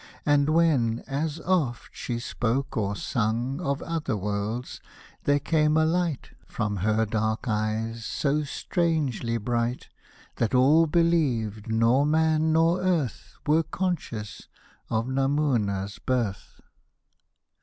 And when, as oft, she spoke or sung Of other worlds, there came a light From her dark eyes so strangely bright, That all believed nor man nor earth Were conscious of Namouna'S birth